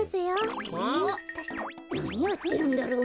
なにやってるんだろう？